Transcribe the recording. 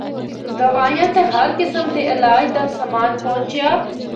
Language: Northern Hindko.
دوائیاں تے ہر قسم دے علاج دا سامان پہنچیا۔